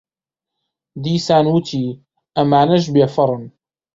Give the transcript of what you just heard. دیسان وتی: ئەمانەش بێفەڕن.